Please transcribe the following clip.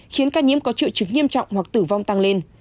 khiến ca nhiễm có triệu chứng nghiêm trọng hoặc tử vong tăng lên